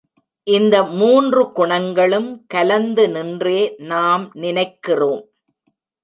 இந்த மூன்று குணங்களும் கலந்து நின்றே நாம் நினைக்கிறோம்.